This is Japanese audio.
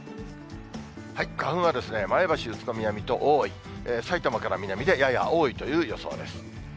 花粉は前橋、宇都宮、水戸、多い、さいたまから南でやや多いという予想です。